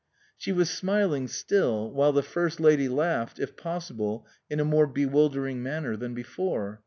She was smiling still, while the first lady laughed, if possible in a more bewildering manner than before.